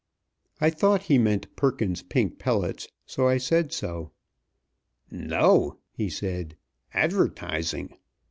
I thought he meant Perkins's Pink Pellets, so I said so. "No!" he said, "advertising!